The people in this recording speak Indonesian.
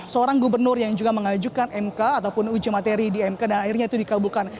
seorang gubernur yang juga mengajukan mk ataupun uji materi di mk dan akhirnya itu dikabulkan